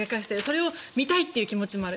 それを見たいという気持ちもある。